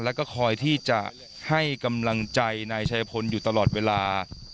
แล้วก็คอยที่จะให้กำลังใจนายชายพลอยู่ตลอดเวลา